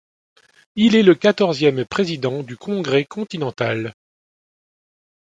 Il est le quatorzième président du Congrès continental.